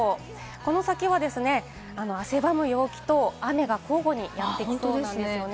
この先は汗ばむ陽気と雨が交互にやってきそうなんです。